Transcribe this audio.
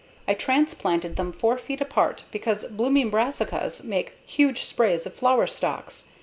I transplanted them 4 feet apart because blooming brassicas make huge sprays of flower stalks.